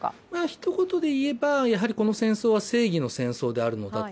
ひと言で言えばこの戦争は正義の戦争であるのだと。